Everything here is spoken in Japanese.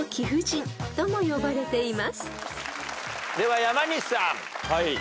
では山西さん。